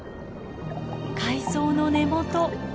海藻の根元。